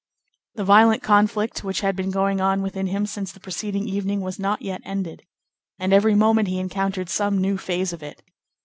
The violent conflict which had been going on within him since the preceding evening was not yet ended; and every moment he encountered some new phase of it.